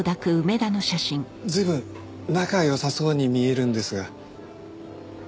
随分仲良さそうに見えるんですが。